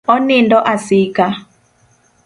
Onindo asika.